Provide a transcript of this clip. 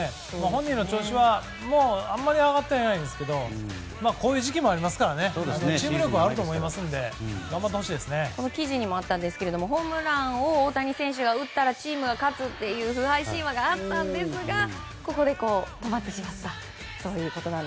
本人の調子もあんまり上がっていないですけどこういう時期もありますからチーム力はあると思いますので記事にもあったんですがホームランを大谷選手が打ったらチームが勝つという不敗神話があったんですがここで止まってしまったと。